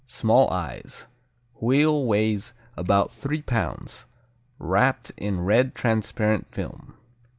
Small eyes. "Wheel" weighs about three pounds. Wrapped in red transparent film.